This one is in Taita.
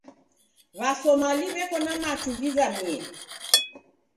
W'asomali w'eko na machu ghizamie.